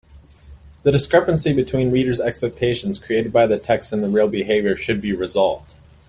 The discrepancy between reader’s expectations created by the text and the real behaviour should be resolved.